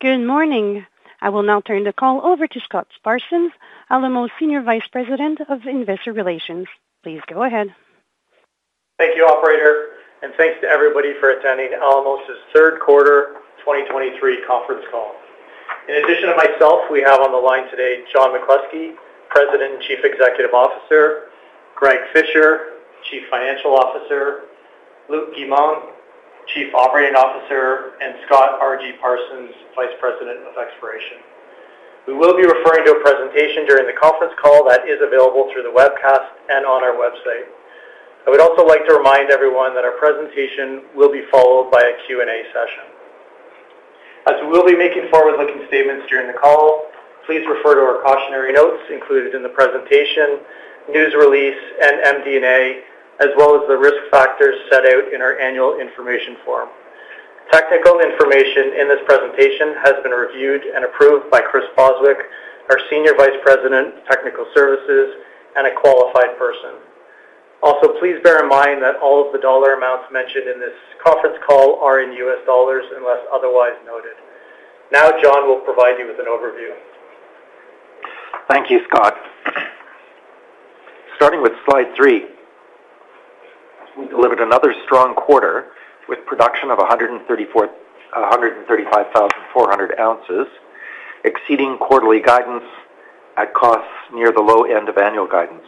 Good morning! I will now turn the call over to Scott Parsons, Alamos Senior Vice President of Investor Relations. Please go ahead. Thank you, operator, and thanks to everybody for attending Alamos' third quarter 2023 conference call. In addition to myself, we have on the line today, John McCluskey, President and Chief Executive Officer, Greg Fisher, Chief Financial Officer, Luc Guimond, Chief Operating Officer, and Scott R.G. Parsons, Vice President of Exploration. We will be referring to a presentation during the conference call that is available through the webcast and on our website. I would also like to remind everyone that our presentation will be followed by a Q&A session. As we will be making forward-looking statements during the call, please refer to our cautionary notes included in the presentation, news release, and MD&A, as well as the risk factors set out in our Annual Information Form. Technical information in this presentation has been reviewed and approved by Chris Bostwick, our Senior Vice President, Technical Services and a qualified person. Also, please bear in mind that all of the dollar amounts mentioned in this conference call are in U.S. dollars, unless otherwise noted. Now, John will provide you with an overview. Thank you, Scott. Starting with slide three, we delivered another strong quarter with production of 135,400 ounces, exceeding quarterly guidance at costs near the low end of annual guidance.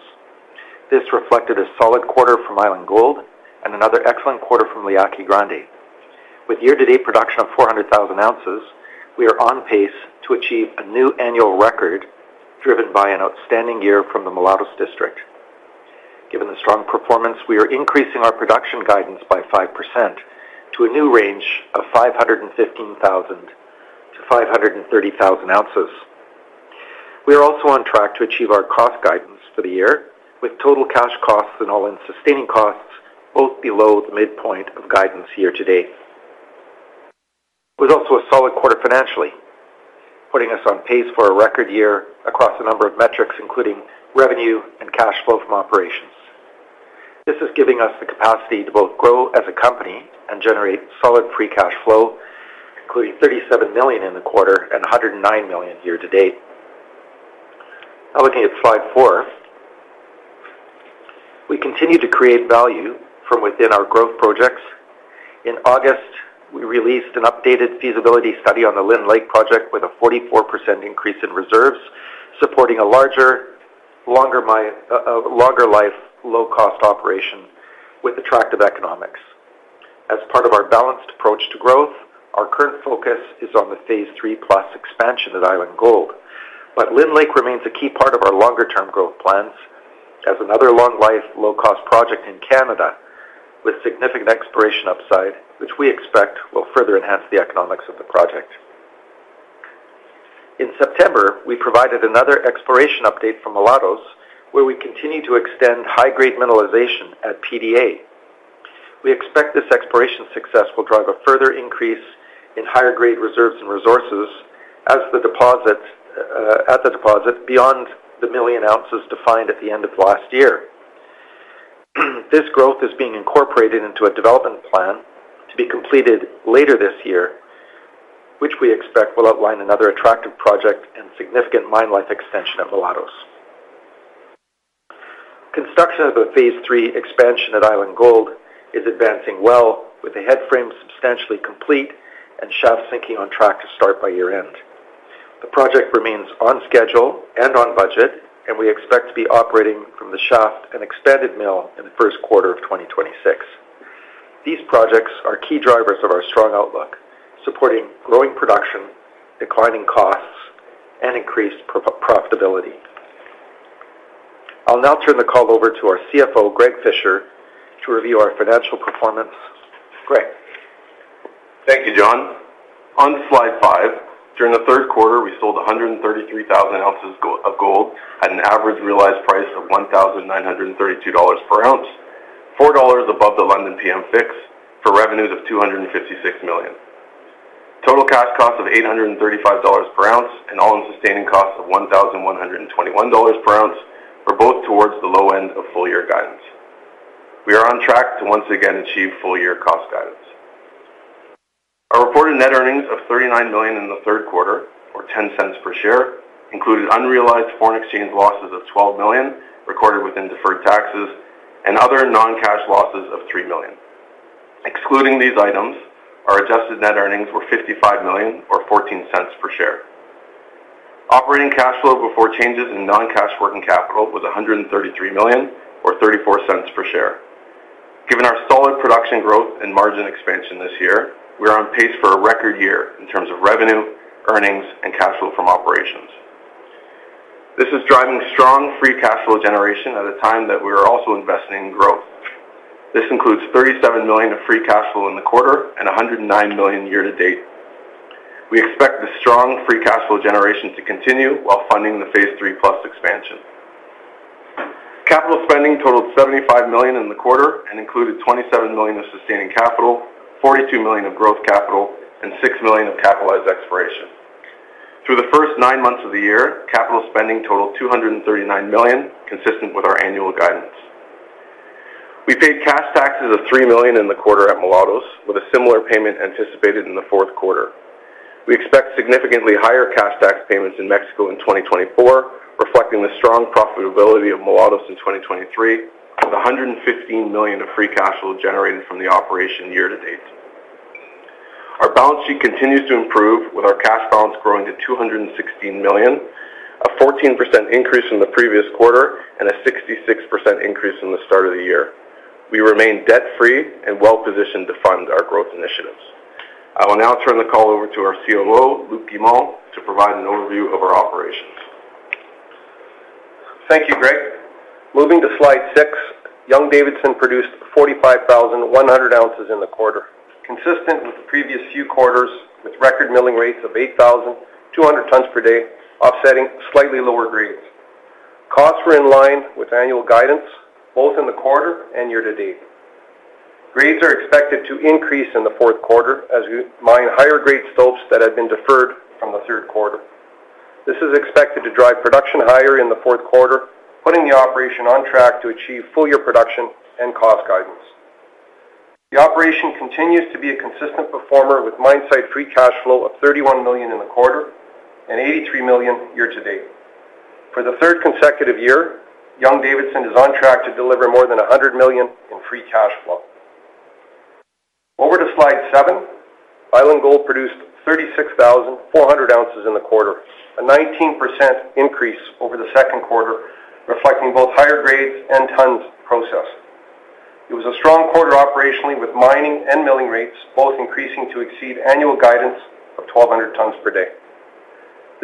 This reflected a solid quarter from Island Gold and another excellent quarter from La Yaqui Grande. With year-to-date production of 400,000 ounces, we are on pace to achieve a new annual record, driven by an outstanding year from the Mulatos District. Given the strong performance, we are increasing our production guidance by 5% to a new range of 515,000-530,000 ounces. We are also on track to achieve our cost guidance for the year, with total cash costs and all-in sustaining costs both below the midpoint of guidance year-to-date. It was also a solid quarter financially, putting us on pace for a record year across a number of metrics, including revenue and cash flow from operations. This is giving us the capacity to both grow as a company and generate solid free cash flow, including $37 million in the quarter and $109 million year to date. Now looking at slide 4. We continue to create value from within our growth projects. In August, we released an updated feasibility study on the Lynn Lake project, with a 44% increase in reserves, supporting a larger, longer life, low-cost operation with attractive economics. As part of our balanced approach to growth, our current focus is on the Phase III+ Expansion at Island Gold, but Lynn Lake remains a key part of our longer-term growth plans as another long-life, low-cost project in Canada, with significant exploration upside, which we expect will further enhance the economics of the project. In September, we provided another exploration update for Mulatos, where we continue to extend high-grade mineralization at PDA. We expect this exploration success will drive a further increase in higher-grade reserves and resources at the deposit, beyond the 1 million ounces defined at the end of last year. This growth is being incorporated into a development plan to be completed later this year, which we expect will outline another attractive project and significant mine life extension at Mulatos. Construction of a phase III expansion at Island Gold is advancing well, with the headframe substantially complete and shaft sinking on track to start by year-end. The project remains on schedule and on budget, and we expect to be operating from the shaft and expanded mill in the first quarter of 2026. These projects are key drivers of our strong outlook, supporting growing production, declining costs, and increased profitability. I'll now turn the call over to our CFO, Greg Fisher, to review our financial performance. Greg? Thank you, John. On slide 5, during the third quarter, we sold 133,000 ounces of gold at an average realized price of $1,932 per ounce, $4 above the London PM fix, for revenues of $256 million. Total cash costs of $835 per ounce, and all-in sustaining costs of $1,121 per ounce, were both towards the low end of full-year guidance. We are on track to once again achieve full-year cost guidance. Our reported net earnings of $39 million in the third quarter, or $0.10 per share, included unrealized foreign exchange losses of $12 million recorded within deferred taxes and other non-cash losses of $3 million. Excluding these items, our adjusted net earnings were $55 million or $0.14 per share. Operating cash flow before changes in non-cash working capital was $133 million or $0.34 per share. Given our solid production growth and margin expansion this year, we are on pace for a record year in terms of revenue, earnings, and cash flow from operations. This is driving strong free cash flow generation at a time that we are also investing in growth. This includes $37 million of free cash flow in the quarter and $109 million year to date. We expect the strong free cash flow generation to continue while funding the Phase III+ expansion. Capital spending totaled $75 million in the quarter and included $27 million of sustaining capital, $42 million of growth capital, and $6 million of capitalized exploration. Through the first nine months of the year, capital spending totaled $239 million, consistent with our annual guidance. We paid cash taxes of $3 million in the quarter at Mulatos, with a similar payment anticipated in the fourth quarter. We expect significantly higher cash tax payments in Mexico in 2024, reflecting the strong profitability of Mulatos in 2023, with $115 million of free cash flow generated from the operation year-to-date. Our balance sheet continues to improve, with our cash balance growing to $216 million, a 14% increase from the previous quarter and a 66% increase from the start of the year. We remain debt-free and well-positioned to fund our growth initiatives. I will now turn the call over to our COO, Luc Guimond, to provide an overview of our operations. Thank you, Greg. Moving to slide 6, Young-Davidson produced 45,100 ounces in the quarter, consistent with the previous few quarters, with record milling rates of 8,200 tons per day, offsetting slightly lower grades. Costs were in line with annual guidance, both in the quarter and year-to-date. Grades are expected to increase in the fourth quarter as we mine higher grade stopes that have been deferred from the third quarter. This is expected to drive production higher in the fourth quarter, putting the operation on track to achieve full year production and cost guidance. The operation continues to be a consistent performer, with mine site free cash flow of $31 million in the quarter and $83 million year to date. For the third consecutive year, Young-Davidson is on track to deliver more than $100 million in free cash flow. Over to slide 7, Island Gold produced 36,400 ounces in the quarter, a 19% increase over the second quarter, reflecting both higher grades and tons processed. It was a strong quarter operationally, with mining and milling rates both increasing to exceed annual guidance of 1,200 tons per day.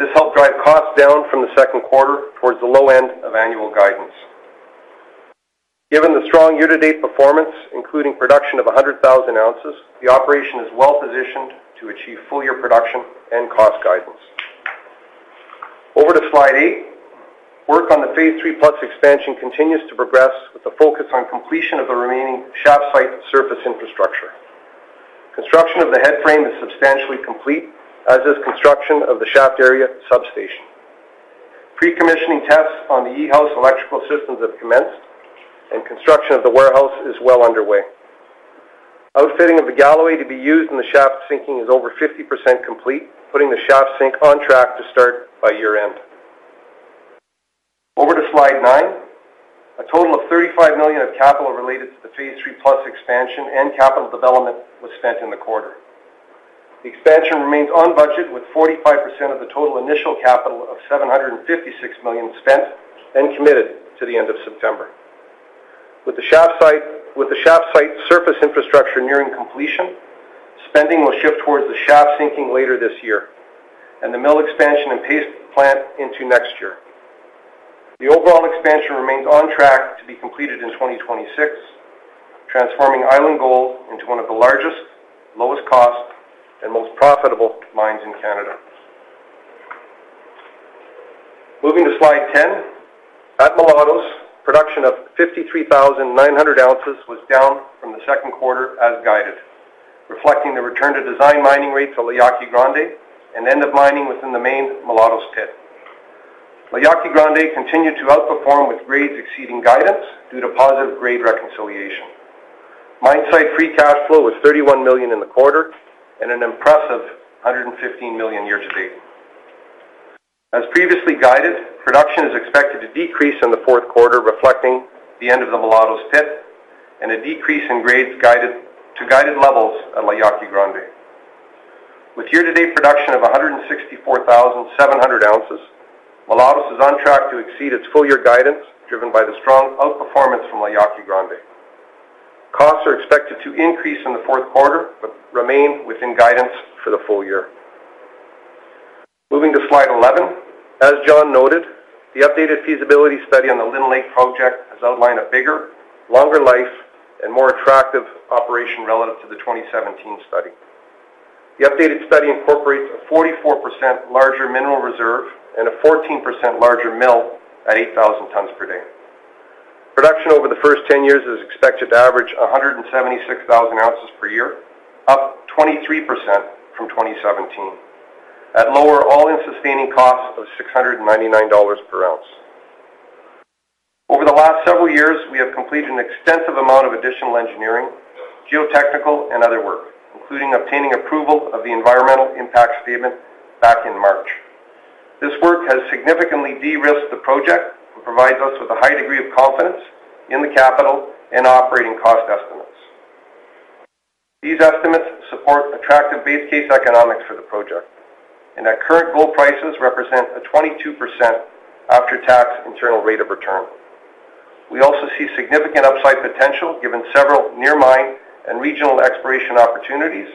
This helped drive costs down from the second quarter towards the low end of annual guidance. Given the strong year-to-date performance, including production of 100,000 ounces, the operation is well positioned to achieve full year production and cost guidance. Over to slide 8. Work on the Phase III+ expansion continues to progress, with a focus on completion of the remaining shaft site surface infrastructure. Construction of the headframe is substantially complete, as is construction of the shaft area substation. Pre-commissioning tests on the E-house electrical systems have commenced, and construction of the warehouse is well underway. Outfitting of the Galloway to be used in the shaft sinking is over 50% complete, putting the shaft sink on track to start by year-end. Over to slide 9. A total of $35 million of capital related to the Phase III+ Expansion and capital development was spent in the quarter. The expansion remains on budget, with 45% of the total initial capital of $756 million spent and committed to the end of September. With the shaft site surface infrastructure nearing completion, spending will shift towards the shaft sinking later this year and the mill expansion and paste plant into next year. The overall expansion remains on track to be completed in 2026, transforming Island Gold into one of the largest, lowest cost, and most profitable mines in Canada. Moving to slide 10. At Mulatos, production of 53,900 ounces was down from the second quarter as guided, reflecting the return to design mining rates of La Yaqui Grande and end of mining within the main Mulatos pit. La Yaqui Grande continued to outperform, with grades exceeding guidance due to positive grade reconciliation. Mine site free cash flow was $31 million in the quarter and an impressive $115 million year to date. As previously guided, production is expected to decrease in the fourth quarter, reflecting the end of the Mulatos pit and a decrease in grades guided, to guided levels at La Yaqui Grande. With year-to-date production of 164,700 ounces, Mulatos is on track to exceed its full year guidance, driven by the strong outperformance from La Yaqui Grande. Costs are expected to increase in the fourth quarter, but remain within guidance for the full year. Moving to slide 11. As John noted, the updated feasibility study on the Lynn Lake project has outlined a bigger, longer life, and more attractive operation relative to the 2017 study. The updated study incorporates a 44% larger mineral reserve and a 14% larger mill at 8,000 tons per day. Production over the first 10 years is expected to average 176,000 ounces per year, up 23% from 2017, at lower all-in sustaining costs of $699 per ounce. Over the last several years, we have completed an extensive amount of additional engineering, geotechnical, and other work, including obtaining approval of the Environmental Impact Statement back in March. This work has significantly de-risked the project and provides us with a high degree of confidence in the capital and operating cost estimates. These estimates support attractive base case economics for the project and at current gold prices represent a 22% after-tax internal rate of return. We also see significant upside potential, given several near mine and regional exploration opportunities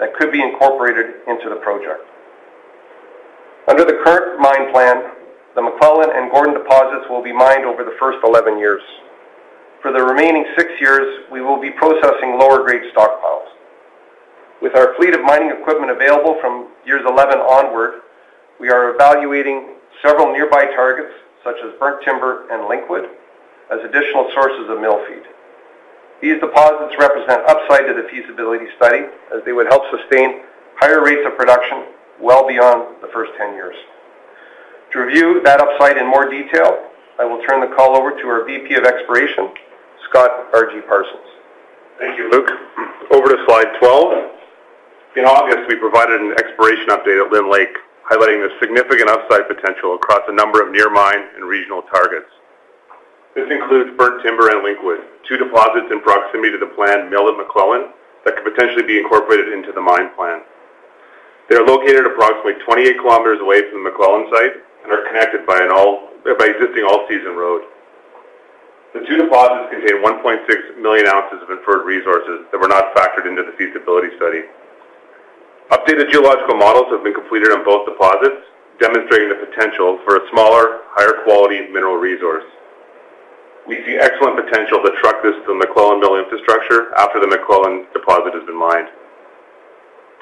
that could be incorporated into the project. Under the current mine plan, the MacLellan and Gordon deposits will be mined over the first 11 years. For the remaining 6 years, we will be processing lower-grade stockpiles. With our fleet of mining equipment available from years 11 onward, we are evaluating several nearby targets, such as Burnt Timber and Linkwood, as additional sources of mill feed. These deposits represent upside to the feasibility study, as they would help sustain higher rates of production well beyond the first 10 years. ...To review that upside in more detail, I will turn the call over to our VP of Exploration, Scott R.G. Parsons. Thank you, Luc. Over to slide 12. In August, we provided an exploration update at Lynn Lake, highlighting the significant upside potential across a number of near mine and regional targets. This includes Burnt Timber and Linkwood, two deposits in proximity to the planned mill at MacLellan that could potentially be incorporated into the mine plan. They are located approximately 28 kilometers away from the MacLellan site and are connected by an existing all-season road. The two deposits contain 1.6 million ounces of inferred resources that were not factored into the feasibility study. Updated geological models have been completed on both deposits, demonstrating the potential for a smaller, higher quality mineral resource. We see excellent potential to truck this to the MacLellan mill infrastructure after the MacLellan deposit has been mined.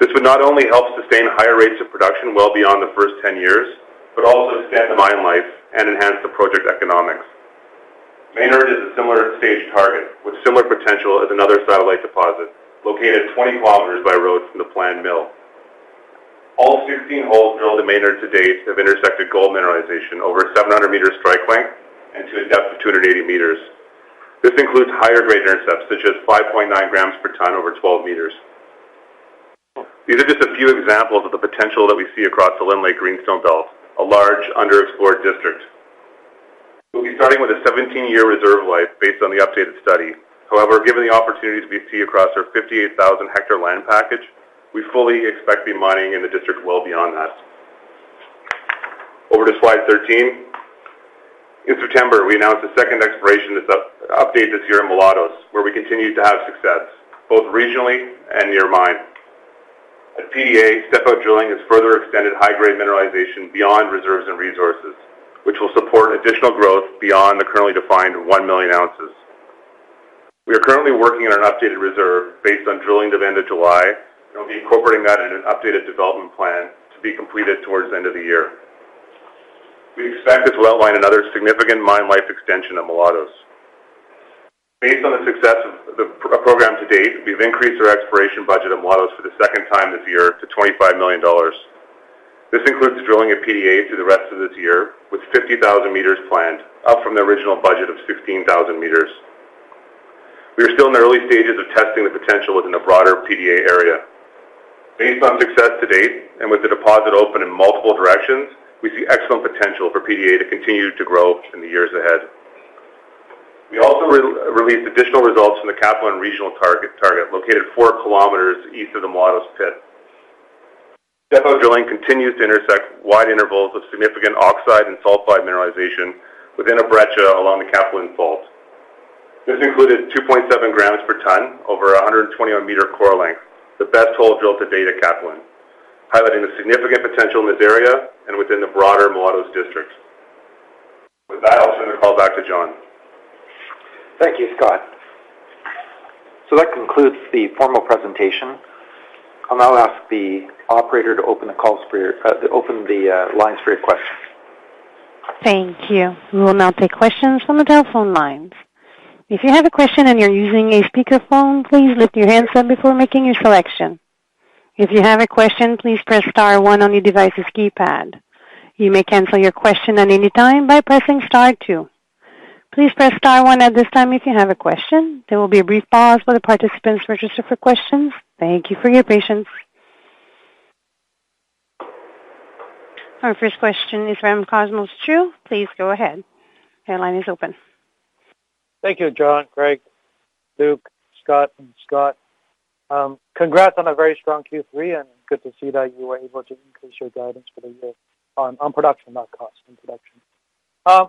This would not only help sustain higher rates of production well beyond the first 10 years, but also extend the mine life and enhance the project economics. Maynard is a similar stage target with similar potential as another satellite deposit located 20 kilometers by road from the planned mill. All 16 holes drilled at Maynard to date have intersected gold mineralization over 700 meters strike length and to a depth of 280 meters. This includes higher grade intercepts, such as 5.9 grams per ton over 12 meters. These are just a few examples of the potential that we see across the Lynn Lake Greenstone Belt, a large underexplored district. We'll be starting with a 17-year reserve life based on the updated study. However, given the opportunities we see across our 58,000-hectare land package, we fully expect to be mining in the district well beyond that. Over to slide 13. In September, we announced a second exploration update this year in Mulatos, where we continued to have success, both regionally and near mine. At PDA, step-out drilling has further extended high-grade mineralization beyond reserves and resources, which will support additional growth beyond the currently defined 1 million ounces. We are currently working on an updated reserve based on drilling at the end of July, and we'll be incorporating that in an updated development plan to be completed towards the end of the year. We expect this will outline another significant mine life extension at Mulatos. Based on the success of the program to date, we've increased our exploration budget at Mulatos for the second time this year to $25 million. This includes drilling at PDA through the rest of this year, with 50,000 meters planned, up from the original budget of 16,000 meters. We are still in the early stages of testing the potential within the broader PDA area. Based on success to date, and with the deposit open in multiple directions, we see excellent potential for PDA to continue to grow in the years ahead. We also released additional results from the Capulin regional target, located 4 kilometers east of the Mulatos pit. Step-out drilling continues to intersect wide intervals of significant oxide and sulfide mineralization within a breccia along the Capulin fault. This included 2.7 grams per ton over a 121-meter core length, the best hole drilled to date at Capulin, highlighting the significant potential in this area and within the broader Mulatos District. With that, I'll turn the call back to John. Thank you, Scott. So that concludes the formal presentation. I'll now ask the operator to open the lines for your questions. Thank you. We will now take questions from the telephone lines. If you have a question and you're using a speakerphone, please lift your handset before making your selection. If you have a question, please press star one on your device's keypad. You may cancel your question at any time by pressing star two. Please press star one at this time if you have a question. There will be a brief pause while the participants register for questions. Thank you for your patience. Our first question is from Cosmos Chiu. Please go ahead. Your line is open. Thank you, John, Greg, Luc, Scott, and Scott. Congrats on a very strong Q3, and good to see that you were able to increase your guidance for the year on production, not cost, in production.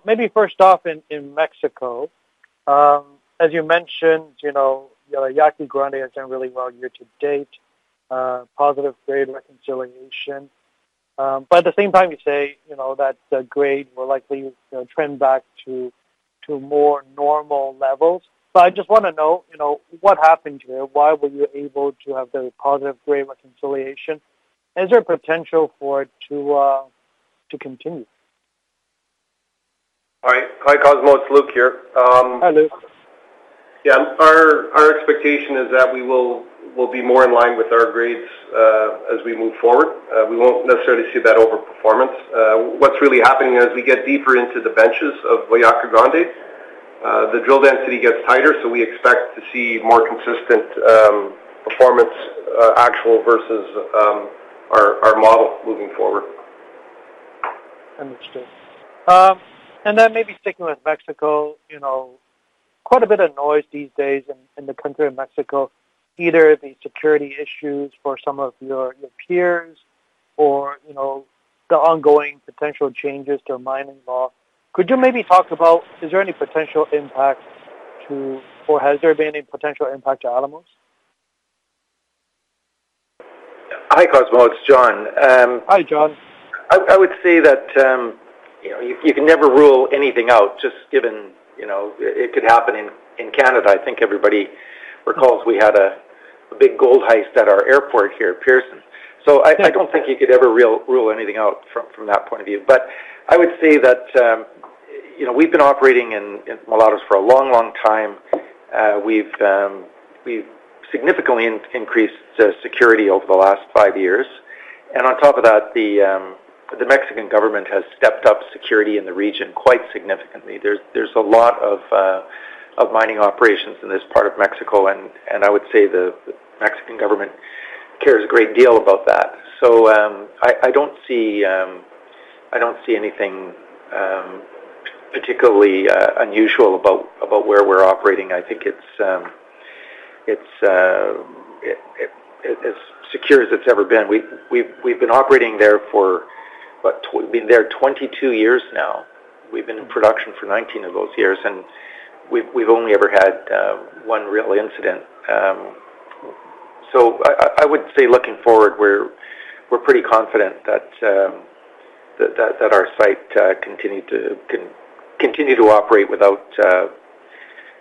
Maybe first off, in Mexico, as you mentioned, you know, La Yaqui Grande has done really well year to date, positive grade reconciliation. But at the same time, you say, you know, that the grade will likely, you know, trend back to more normal levels. So I just want to know, you know, what happened here? Why were you able to have the positive grade reconciliation? Is there potential for it to continue? All right. Hi, Cosmos, Luc here. Hi, Luc. Yeah, our, our expectation is that we will, will be more in line with our grades, as we move forward. We won't necessarily see that overperformance. What's really happening as we get deeper into the benches of La Yaqui Grande, the drill density gets tighter, so we expect to see more consistent, performance, actual versus, our, our model moving forward. Understood. And then maybe sticking with Mexico, you know, quite a bit of noise these days in the country of Mexico, either the security issues for some of your peers or, you know, the ongoing potential changes to mining law. Could you maybe talk about, is there any potential impact to... or has there been any potential impact to Alamos? Hi, Cosmos, John, Hi, John. I would say that, you know, you can never rule anything out, just given, you know, it could happen in Canada. I think everybody recalls we had a big gold heist at our airport here at Pearson. Yeah. So I don't think you could ever rule anything out from that point of view. But I would say that. You know, we've been operating in Mulatos for a long, long time. We've significantly increased security over the last 5 years. And on top of that, the Mexican government has stepped up security in the region quite significantly. There's a lot of mining operations in this part of Mexico, and I would say the Mexican government cares a great deal about that. So I don't see anything particularly unusual about where we're operating. I think it's secure as it's ever been. We've been operating there for about been there 22 years now. We've been in production for 19 of those years, and we've only ever had one real incident. So I would say looking forward, we're pretty confident that our site continue to operate without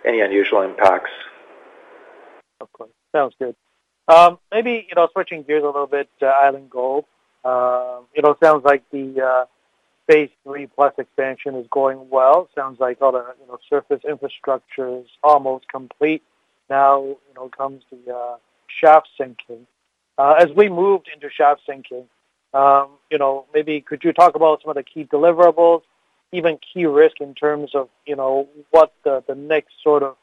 any unusual impacts. Okay, sounds good. Maybe, you know, switching gears a little bit to Island Gold. It all sounds like the Phase III+ Expansion is going well. Sounds like all the, you know, surface infrastructure is almost complete. Now, you know, comes the shaft sinking. As we moved into shaft sinking, you know, maybe could you talk about some of the key deliverables, even key risks in terms of, you know, what the next sort of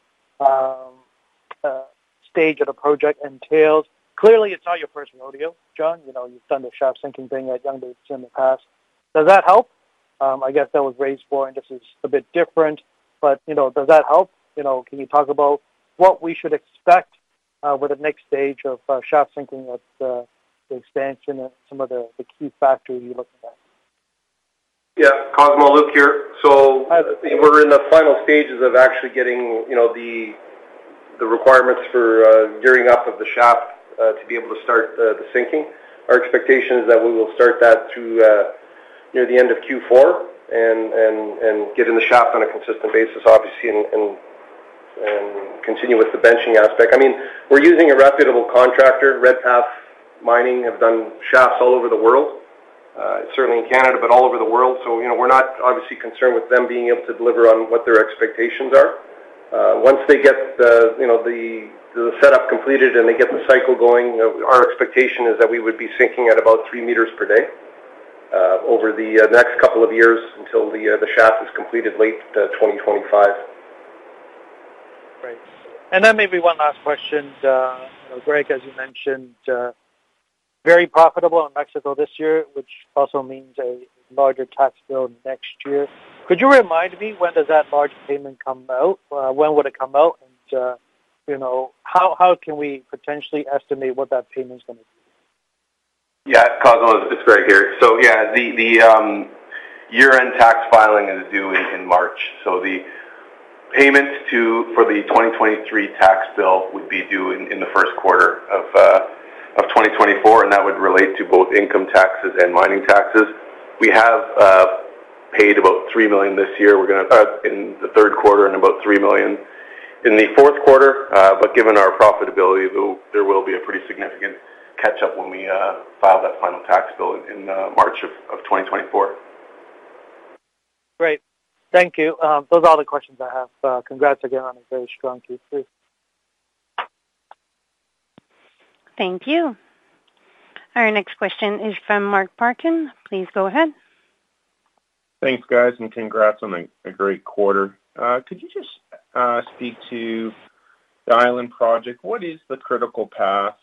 stage of the project entails? Clearly, it's not your first rodeo, John. You know, you've done the shaft sinking thing at Young-Davidson in the past. Does that help? I guess that was raised for, and this is a bit different, but, you know, does that help? You know, can you talk about what we should expect with the next stage of shaft sinking with the expansion and some of the key factors you looking at? Yeah, Cosmo, Luc here. So- Hi. We're in the final stages of actually getting, you know, the, the requirements for gearing up of the shaft to be able to start the, the sinking. Our expectation is that we will start that through near the end of Q4, and, and, and get in the shaft on a consistent basis, obviously, and, and, and continue with the benching aspect. I mean, we're using a reputable contractor. Redpath Mining have done shafts all over the world, certainly in Canada, but all over the world. So, you know, we're not obviously concerned with them being able to deliver on what their expectations are. Once they get the, you know, the setup completed and they get the cycle going, our expectation is that we would be sinking at about three meters per day over the next couple of years until the shaft is completed late 2025. Great. And then maybe one last question. Greg, as you mentioned, very profitable in Mexico this year, which also means a larger tax bill next year. Could you remind me, when does that large payment come out? When would it come out, and, you know, how can we potentially estimate what that payment is going to be? Yeah, Cosmos, it's Greg here. So yeah, the year-end tax filing is due in March, so the payment to... for the 2023 tax bill would be due in the first quarter of 2024, and that would relate to both income taxes and mining taxes. We have paid about $3 million this year. We're gonna in the third quarter, and about $3 million in the fourth quarter, but given our profitability, there will be a pretty significant catch-up when we file that final tax bill in March of 2024. Great. Thank you. Those are all the questions I have. Congrats again on a very strong Q3. Thank you. Our next question is from Mike Parkin. Please go ahead. Thanks, guys, and congrats on a great quarter. Could you just speak to the Island project? What is the critical path,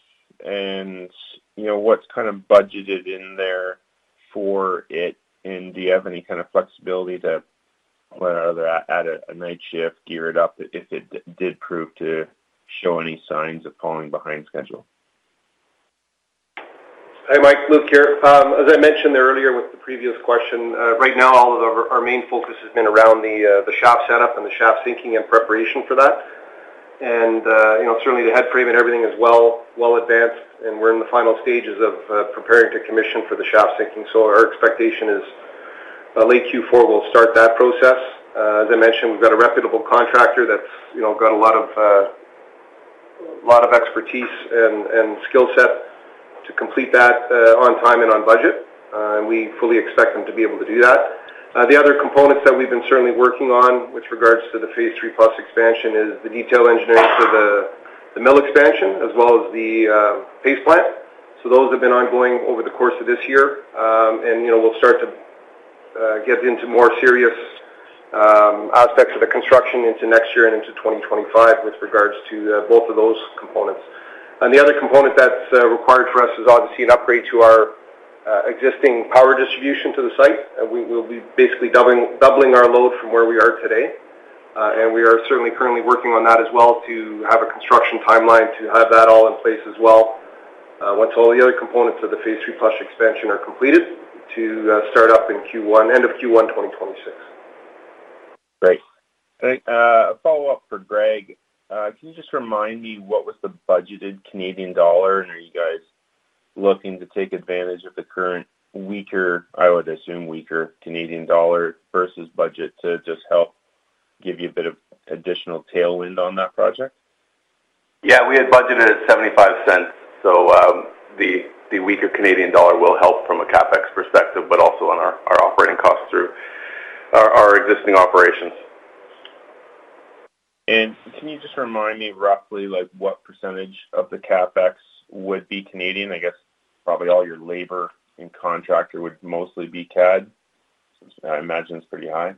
and, you know, what's kind of budgeted in there for it? And do you have any kind of flexibility to whether add a night shift, gear it up, if it did prove to show any signs of falling behind schedule? Hi, Mike. Luc here. As I mentioned earlier with the previous question, right now, our main focus has been around the shaft setup and the shaft sinking and preparation for that. And, you know, certainly the headframe and everything is well advanced, and we're in the final stages of preparing to commission for the shaft sinking. So our expectation is, late Q4, we'll start that process. As I mentioned, we've got a reputable contractor that's, you know, got a lot of expertise and skill set to complete that, on time and on budget, and we fully expect them to be able to do that. The other components that we've been certainly working on with regards to the Phase III+ Expansion is the detail engineering for the, the mill expansion, as well as the, paste plant. So those have been ongoing over the course of this year. And, you know, we'll start to get into more serious aspects of the construction into next year and into 2025 with regards to both of those components. And the other component that's required for us is obviously an upgrade to our existing power distribution to the site. And we will be basically doubling, doubling our load from where we are today. And we are certainly currently working on that as well to have a construction timeline, to have that all in place as well, once all the other components of the Phase III+ Expansion are completed, to start up in Q1, end of Q1, 2026. Great. Thanks, a follow-up for Greg. Can you just remind me what was the budgeted Canadian dollar, and are you guys looking to take advantage of the current weaker, I would assume, weaker Canadian dollar versus budget to just help give you a bit of additional tailwind on that project?... Yeah, we had budgeted at $0.75. So, the weaker Canadian dollar will help from a CapEx perspective, but also on our operating costs through our existing operations. Can you just remind me roughly, like, what percentage of the CapEx would be Canadian? I guess probably all your labor and contractor would mostly be CAD. I imagine it's pretty high.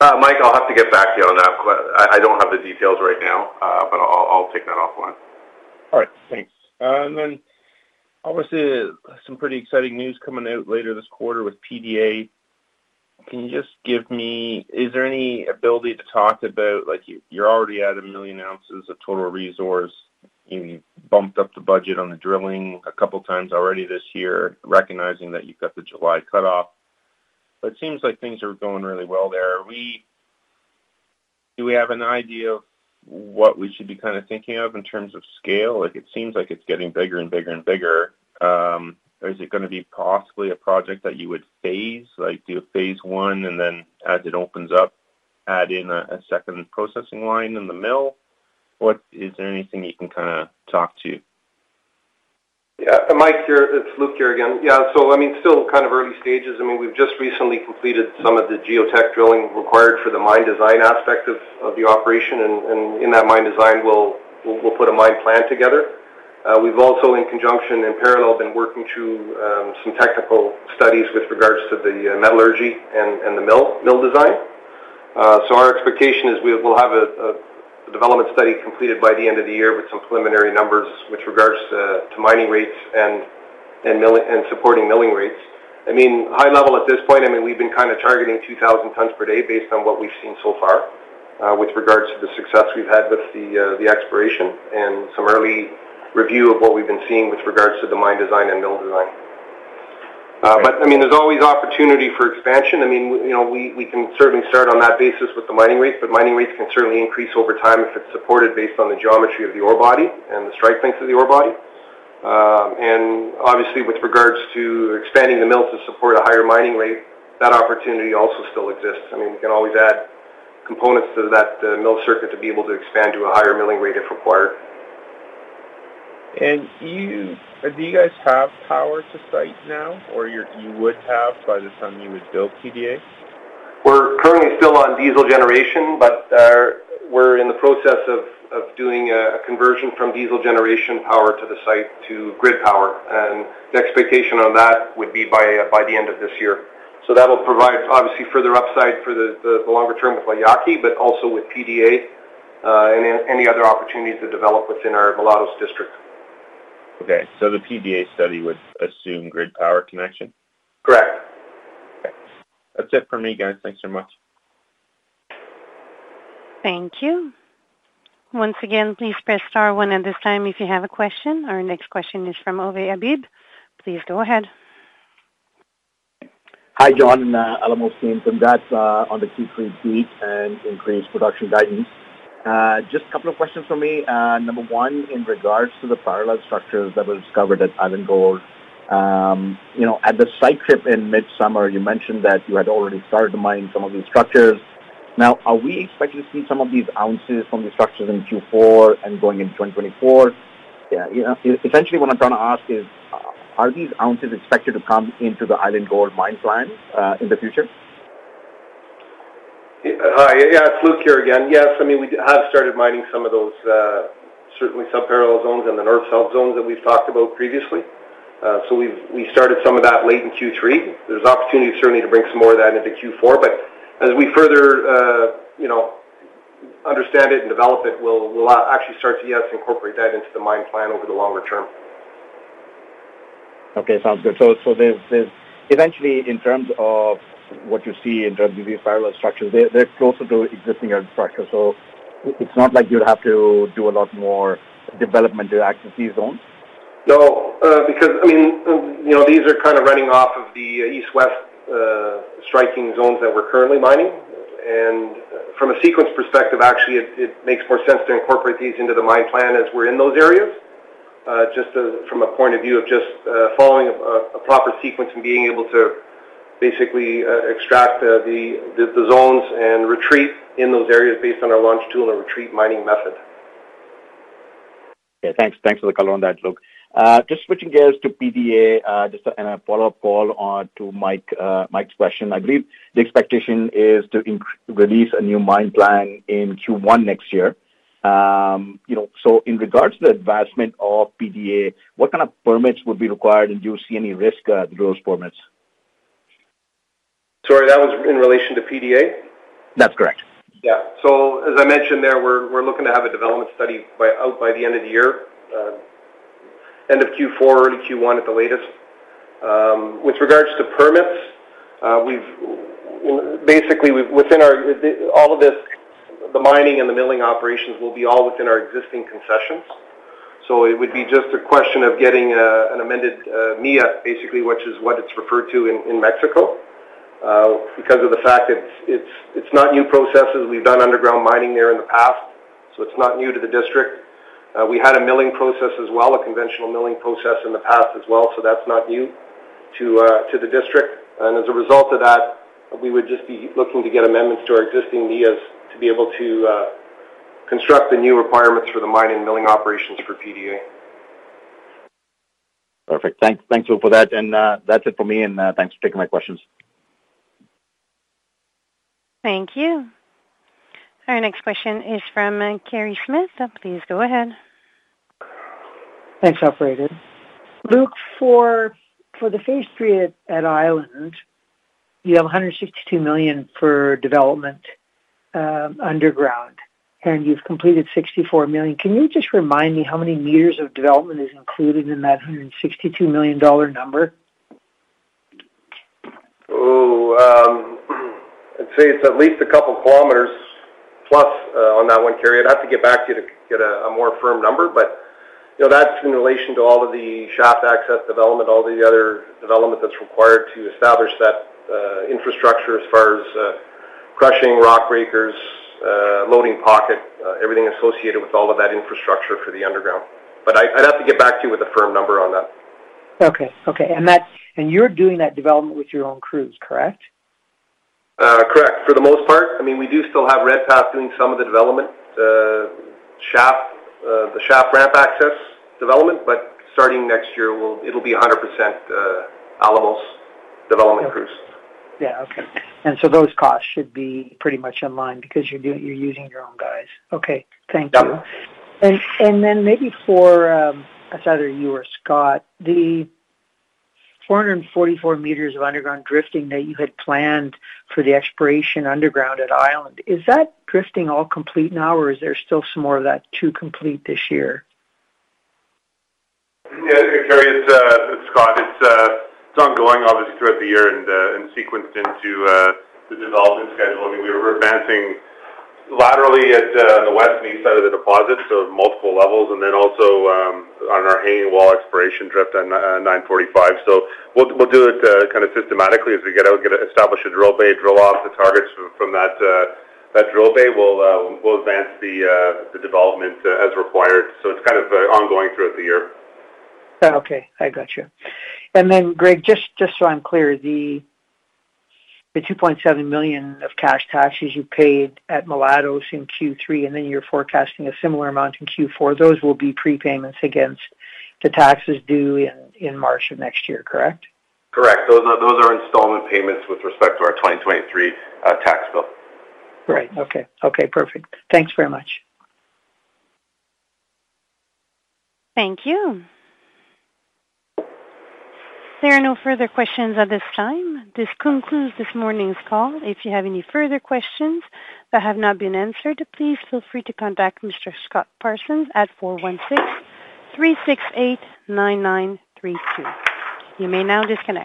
Mike, I'll have to get back to you on that. I don't have the details right now, but I'll take that offline. All right, thanks. And then obviously, some pretty exciting news coming out later this quarter with PDA. Can you just give me, is there any ability to talk about, like, you, you're already at 1 million ounces of total resource, and you've bumped up the budget on the drilling a couple of times already this year, recognizing that you've got the July cutoff? But it seems like things are going really well there. Are we, do we have an idea of what we should be kind of thinking of in terms of scale? Like, it seems like it's getting bigger and bigger and bigger. Is it gonna be possibly a project that you would phase, like, do a phase I, and then as it opens up, add in a second processing line in the mill? What, is there anything you can kinda talk to? Yeah, Mike, here, it's Luc here again. Yeah, so I mean, still kind of early stages. I mean, we've just recently completed some of the geotech drilling required for the mine design aspect of the operation, and in that mine design, we'll put a mine plan together. We've also, in conjunction, in parallel, been working through some technical studies with regards to the metallurgy and the mill design. So our expectation is we'll have a development study completed by the end of the year with some preliminary numbers with regards to mining rates and mill and supporting milling rates. I mean, high level at this point, I mean, we've been kind of targeting 2,000 tons per day based on what we've seen so far, with regards to the success we've had with the exploration and some early review of what we've been seeing with regards to the mine design and mill design. But, I mean, there's always opportunity for expansion. I mean, you know, we can certainly start on that basis with the mining rates, but mining rates can certainly increase over time if it's supported based on the geometry of the ore body and the strike length of the ore body. And obviously, with regards to expanding the mill to support a higher mining rate, that opportunity also still exists. I mean, we can always add components to that, mill circuit to be able to expand to a higher milling rate if required. Do you guys have power to site now, or you would have by the time you would build PDA? We're currently still on diesel generation, but we're in the process of doing a conversion from diesel generation power to the site to grid power, and the expectation on that would be by the end of this year. That will provide, obviously, further upside for the longer term with La Yaqui Grande, but also with PDA, and any other opportunities to develop within our Mulatos District. Okay, so the PDA study would assume grid power connection? Correct. Okay. That's it for me, guys. Thanks so much. Thank you. Once again, please press star one at this time if you have a question. Our next question is from Ovais Habib. Please go ahead. Hi, John and Alamos team. Congrats on the Q3 beat and increased production guidance. Just a couple of questions from me. Number one, in regards to the parallel structures that were discovered at Island Gold, you know, at the site trip in midsummer, you mentioned that you had already started mining some of these structures. Now, are we expecting to see some of these ounces from the structures in Q4 and going into 2024? Yeah, you know, essentially, what I'm trying to ask is, are these ounces expected to come into the Island Gold mine plan in the future? Hi. Yeah, it's Luc here again. Yes, I mean, we have started mining some of those, certainly some parallel zones in the north-south zones that we've talked about previously. So we've started some of that late in Q3. There's opportunity certainly to bring some more of that into Q4, but as we further, you know, understand it and develop it, we'll actually start to, yes, incorporate that into the mine plan over the longer term. Okay, sounds good. So, there's... Eventually, in terms of what you see in terms of these parallel structures, they're closer to existing infrastructure. So it's not like you'd have to do a lot more development to access these zones? No, because, I mean, you know, these are kind of running off of the east-west striking zones that we're currently mining. From a sequence perspective, actually, it makes more sense to incorporate these into the mine plan as we're in those areas. Just, from a point of view of just, following a proper sequence and being able to basically extract the zones and retreat in those areas based on our longhole and retreat mining method. Yeah, thanks. Thanks for the color on that, Luc. Just switching gears to PDA, and a follow-up on to Mike, Mike's question. I believe the expectation is to release a new mine plan in Q1 next year. You know, so in regards to the advancement of PDA, what kind of permits would be required, and do you see any risk to those permits? Sorry, that was in relation to PDA? That's correct. Yeah. So as I mentioned there, we're looking to have a development study out by the end of the year, end of Q4, early Q1 at the latest. With regards to permits, we've basically, within our, all of this, the mining and the milling operations will be all within our existing concessions. So it would be just a question of getting an amended MIA, basically, which is what it's referred to in Mexico, because of the fact it's not new processes. We've done underground mining there in the past, so it's not new to the district. We had a milling process as well, a conventional milling process in the past as well, so that's not new to the district. As a result of that, we would just be looking to get amendments to our existing NEAs to be able to construct the new requirements for the mining and milling operations for PDA. Perfect. Thanks. Thanks, Luc, for that. And, that's it for me, and, thanks for taking my questions. Thank you. Our next question is from Kerry Smith. Please go ahead. Thanks, operator. Luc, for the Phase III at Island, you have $162 million for development underground, and you've completed $64 million. Can you just remind me how many meters of development is included in that $162 million dollar number? I'd say it's at least a couple kilometers plus, on that one, Kerry. I'd have to get back to you to get a more firm number, but, you know, that's in relation to all of the shaft access development, all the other development that's required to establish that infrastructure as far as crushing rock breakers, loading pocket, everything associated with all of that infrastructure for the underground. But I'd have to get back to you with a firm number on that. Okay. You're doing that development with your own crews, correct? Correct. For the most part, I mean, we do still have Redpath doing some of the development, the shaft, the shaft ramp access development, but starting next year, it'll be 100%, Alamos development crews. Yeah. Okay. And so those costs should be pretty much in line because you're doing... You're using your own guys. Okay, thank you. Yeah. And then maybe for, it's either you or Scott, the 444 meters of underground drifting that you had planned for the exploration underground at Island, is that drifting all complete now, or is there still some more of that to complete this year? Yeah, Kerry, it's Scott. It's ongoing, obviously, throughout the year and sequenced into the development schedule. I mean, we're advancing laterally at the west and east side of the deposit, so multiple levels, and then also on our hanging wall exploration drift on 945. So we'll do it kind of systematically as we get out, get to establish a drill bay, drill off the targets from that drill bay. We'll advance the development as required. So it's kind of ongoing throughout the year. Okay, I got you. And then, Greg, just so I'm clear, the $2.7 million of cash taxes you paid at Mulatos in Q3, and then you're forecasting a similar amount in Q4, those will be prepayments against the taxes due in March of next year, correct? Correct. Those are, those are installment payments with respect to our 2023 tax bill. Great. Okay. Okay, perfect. Thanks very much. Thank you. There are no further questions at this time. This concludes this morning's call. If you have any further questions that have not been answered, please feel free to contact Mr. Scott Parsons at 416-368-9932. You may now disconnect.